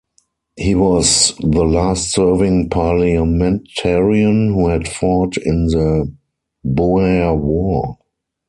He was the last serving parliamentarian who had fought in the Boer War.